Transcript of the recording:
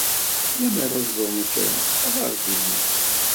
Lemmer ad ẓren kra, ad aɣ-d-inin.